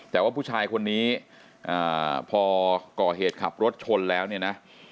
แต่ว่าผู้ชายคนนี้พอก่อเหตุขับรถชนแล้วเนี่ยนะ